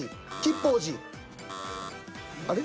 あれ？